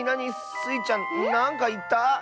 スイちゃんなんかいった？